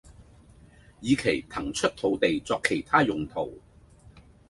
以期騰出土地作其他用途